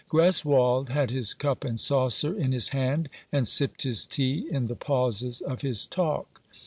Greswold had his cup and saucer in his hand, and sipped his tea in the pauses of his talk.